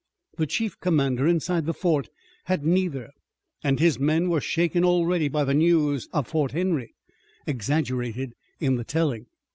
The chief commander inside the fort had neither, and his men were shaken already by the news of Fort Henry, exaggerated in the telling.